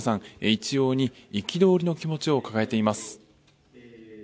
一様に憤りの気持ちを抱えています。